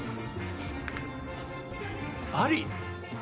あり！